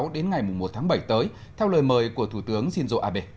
đến ngày một tháng bảy tới theo lời mời của thủ tướng shinzo abe